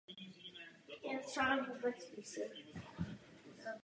Stále dochází k bankrotům a nezaměstnanost nadále roste.